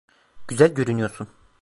Güzel görünüyorsun.